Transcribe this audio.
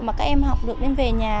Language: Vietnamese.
mà các em học được đến về nhà